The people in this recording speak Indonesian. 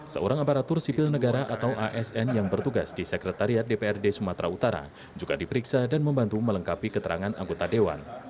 seorang aparatur sipil negara atau asn yang bertugas di sekretariat dprd sumatera utara juga diperiksa dan membantu melengkapi keterangan anggota dewan